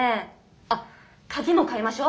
あっ鍵も替えましょう。